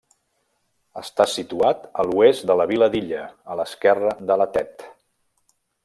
Està situat a l'oest de la vila d'Illa, a l'esquerra de la Tet.